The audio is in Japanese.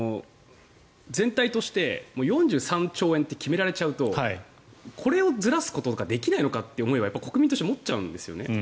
全体として４３兆円って決められちゃうとこれをずらすことができないのかという思いは国民として持っちゃうんですよね。